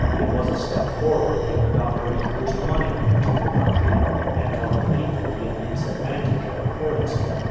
It was a step forward when the Doctor intro duced money into the country, and taught the people the immense advantage of a currency.